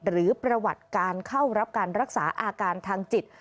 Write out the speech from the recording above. หรือประวัติการเข้ารับการรักษาอาการทางจิต